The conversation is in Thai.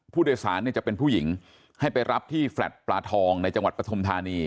ผู้โดยสารเนี่ยจะเป็นผู้หญิงให้ไปรับที่แฟลต์ปลาทองในจังหวัดปฐุมธานี